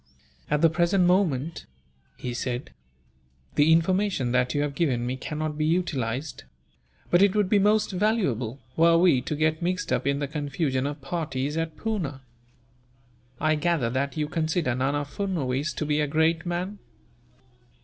"At the present moment," he said, "the information that you have given me cannot be utilized; but it would be most valuable, were we to get mixed up in the confusion of parties at Poona. I gather that you consider Nana Furnuwees to be a great man."